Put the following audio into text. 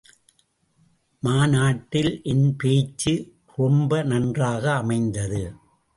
மாநாட்டில் என் பேச்சு ரொம்ப நன்றாக அமைந்தது.